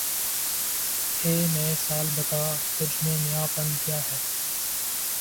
اے نئے سال بتا، تُجھ میں نیا پن کیا ہے؟